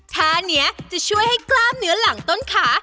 ท่านี้จะช่วยให้กล้ามเนื้อหลังต้นขา